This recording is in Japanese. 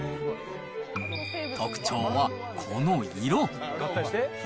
特徴はこの色。